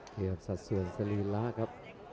เกี่ยวกับสัดส่วนสรีระครับ